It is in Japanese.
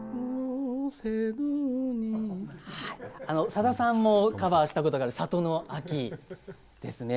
さださんもカバーしたことのある「里の秋」ですね。